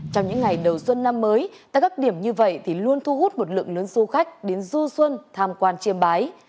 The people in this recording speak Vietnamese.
trong những ngày đầu xuân năm mới tại các điểm như vậy thì luôn thu hút một lượng lớn du khách đến du xuân tham quan chiêm bái